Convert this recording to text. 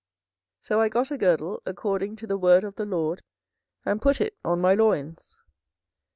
24:013:002 So I got a girdle according to the word of the LORD, and put it on my loins.